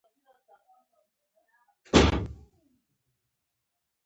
انګلیسي د ویلو مهارت تقویه کوي